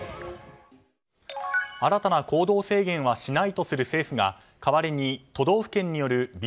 新たな行動制限はしないとする政府が代わりに都道府県によるＢＡ．